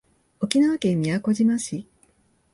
沖縄県宮古島市